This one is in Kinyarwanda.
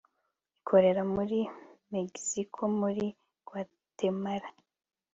ikorera muri megiziiko, muri gwatemala